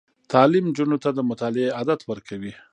تعلیم نجونو ته د مطالعې عادت ورکوي.